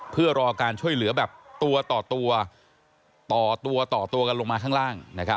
เพื่อรอการช่วยเหลือแบบตัวต่อตัวต่อตัวต่อตัวกันลงมาข้างล่าง